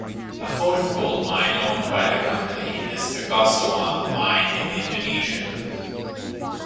A fourth gold mine owned by the company is the Gosowong Mine in Indonesia.